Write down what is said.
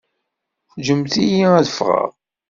Ǧǧemt-iyi ad ffɣeɣ!